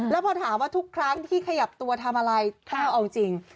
แล้วพอถามว่าทุกครั้งที่ขยับตัวทำอะไรต้าเอาจริง